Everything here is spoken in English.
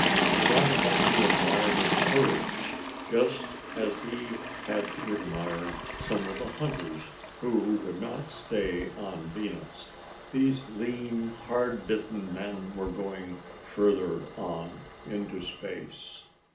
Johnny had to admire his courage, just as he had to admire some of the hunters who would not stay on Venus. These lean hard bitten men were going further on into space.